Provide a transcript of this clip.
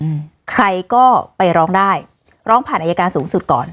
อืมใครก็ไปร้องได้ร้องผ่านอายการสูงสุดก่อน